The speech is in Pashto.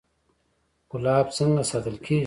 ګلاب څنګه ساتل کیږي؟